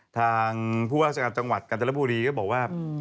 ทางผู้ว่าจังหวัดกันเจลปูรีก็บอกว่า